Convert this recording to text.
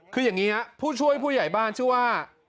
คืออย่างนี้ครับผู้ช่วยผู้ใหญ่บ้านชื่อว่า